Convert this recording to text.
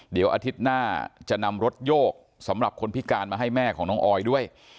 เดี๋ยวอาทิตย์หน้าจะนำรถโยกสำหรับคนพิการมาให้แม่ของน้องออยด้วย